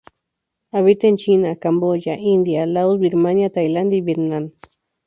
Habita en China, Camboya, India, Laos, Birmania, Tailandia y Vietnam.